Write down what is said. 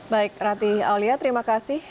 baik rati aulia terima kasih